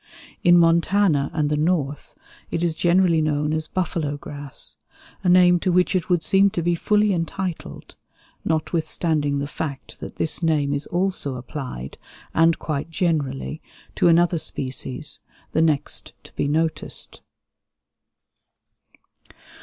In Montana and the north it is generally known as "buffalo grass," a name to which it would seem to be fully entitled, notwithstanding the fact that this name is also applied, and quite generally, to another species, the next to be noticed.